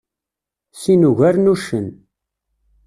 Sin ugaren uccen.